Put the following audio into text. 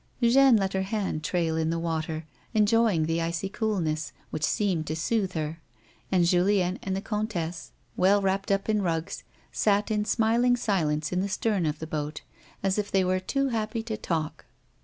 Jeanne let her hand trail in the water, en joying the icy coolness which seemed to soothe her, and Julien and the comtesse, well wrapped up in rugs, sat in smiling silence in the stern of the boat, as if they were too happy to talk.